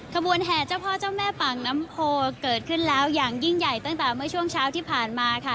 ขบวนแห่เจ้าพ่อเจ้าแม่ปากน้ำโพเกิดขึ้นแล้วอย่างยิ่งใหญ่ตั้งแต่เมื่อช่วงเช้าที่ผ่านมาค่ะ